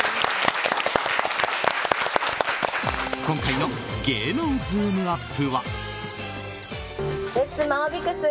今回の芸能ズームＵＰ！は。